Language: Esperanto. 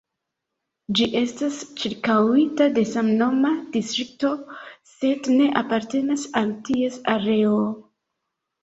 Ĝi estas ĉirkaŭita de samnoma distrikto, sed ne apartenas al ties areo.